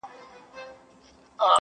نن دي بیا سترګو کي رنګ د میکدو دی,